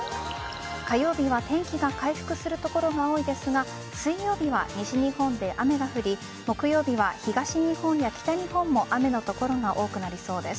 火曜日は天気が回復する所が多いですが水曜日は西日本で雨が降り木曜日は東日本や北日本も雨の所が多くなりそうです。